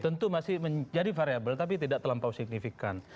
tentu masih menjadi variable tapi tidak terlampau signifikan